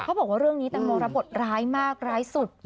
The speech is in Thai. บอกว่าเรื่องนี้แตงโมรับบทร้ายมากร้ายสุด